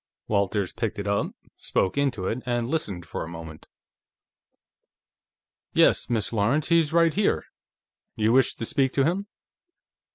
Walters picked it up, spoke into it, and listened for a moment. "Yes, Miss Lawrence; he's right here. You wish to speak to him?"